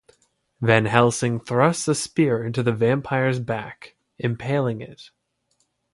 Van Helsing thrusts a spear into the vampire's back, impaling it.